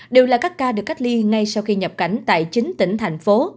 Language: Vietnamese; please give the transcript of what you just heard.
đều là các ca được cách ly ngay sau khi nhập cảnh tại chín tỉnh thành phố